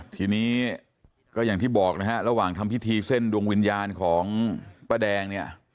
ทีนี้ก็อย่างที่บอกนะฮะระหว่างทำพิธีเส้นดวงวิญญาณของป้าแดงเนี่ย